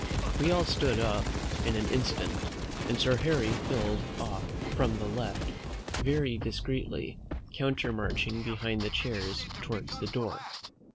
We all stood up in an instant, and Sir Harry filed off from the left, very discreetly, countermarching behind the chairs towards the door.